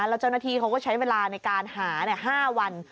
แล้วเจ้าหน้าที่เขาก็ใช้เวลาในการหา๕วัน